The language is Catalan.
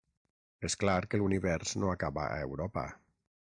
És clar que l'univers no acaba a Europa.